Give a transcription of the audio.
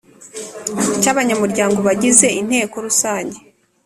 cy abanyamuryango bagize Inteko Rusange